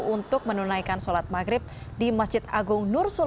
untuk menunaikan sholat maghrib di masjid agung nur sulawesi